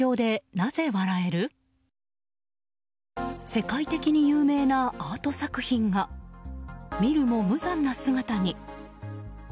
世界的に有名なアート作品が見るも無残な姿に。